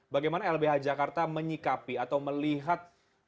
bagaimana lbh jakarta menyikapi atau melihat